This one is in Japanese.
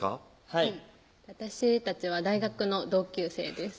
はい私たちは大学の同級生です